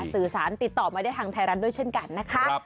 สื่อสารติดต่อมาได้ทางไทยรัฐด้วยเช่นกันนะคะ